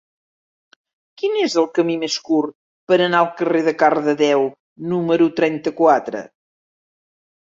Quin és el camí més curt per anar al carrer de Cardedeu número trenta-quatre?